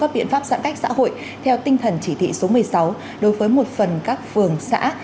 các biện pháp giãn cách xã hội theo tinh thần chỉ thị số một mươi sáu đối với một phần các phường xã